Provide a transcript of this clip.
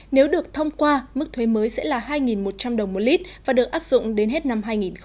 nếu được thông qua mức thuế mới sẽ là hai một trăm linh đồng một lít và được áp dụng đến hết năm hai nghìn hai mươi